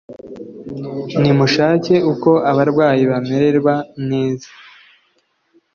Nimushake Uko Abarwayi Bamererwa neza